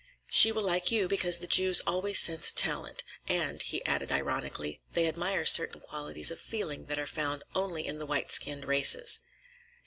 She will like you because the Jews always sense talent, and," he added ironically, "they admire certain qualities of feeling that are found only in the white skinned races."